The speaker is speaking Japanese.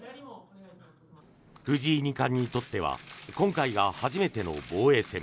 藤井二冠にとっては今回が初めての防衛戦。